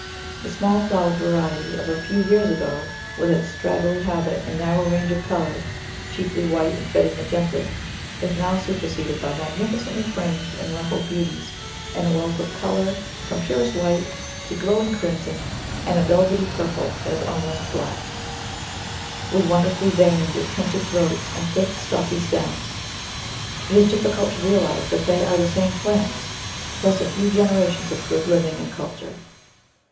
The small flowered variety of a few years ago with its straggly habit and narrow range of colour— chiefly white and faded magenta — is now superseded by magnificently fringed and ruffled beau ties in a wealth of colour, from purest white to glow ing crimson, and a velvety purple that is almost black, Digitized by Google 84 The Flower Garden [Chapter with wonderfully veined and tinted throats and thick, stocky stems. It is difficult to realise that they are the same plants, plus a few generations of good living and culture.